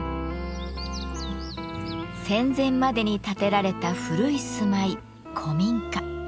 戦前までに建てられた古い住まい「古民家」。